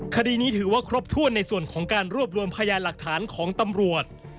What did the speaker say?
คดีนี้ถือว่าครบถ้วนในส่วนของการรวบรวมพยานหลักฐานของตำรวจ